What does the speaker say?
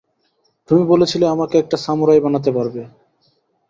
তুমি বলেছিলে আমাকে একটা সামুরাই বানাতে পারবে।